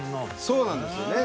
そうなんですよね。